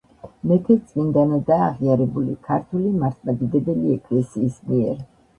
მეფე წმინდანადაა აღიარებული ქართული მართლმადიდებელი ეკლესიის მიერ.